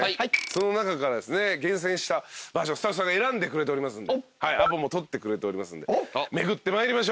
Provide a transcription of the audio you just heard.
その中からですね厳選した場所スタッフさんが選んでくれておりますんでアポも取ってくれておりますんで巡ってまいりましょう。